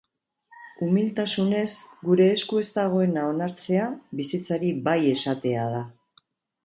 Umiltasunez, gure esku ez dagoena onartzea, bizitzari bai esatea da.